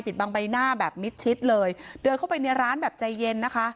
บางใบหน้าแบบมิดชิดเลยเดินเข้าไปในร้านแบบใจเย็นนะคะ